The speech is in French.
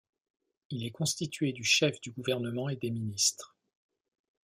Il est constitué du Chef du gouvernement et des ministres.